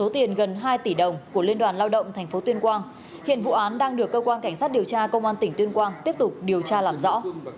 gần hai tỷ đồng của liên đoàn lao động tp tuyên quang hiện vụ án đang được cơ quan cảnh sát điều tra công an tỉnh tuyên quang tiếp tục điều tra làm rõ